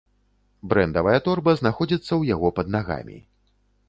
Брэндавая торба знаходзіцца ў яго пад нагамі.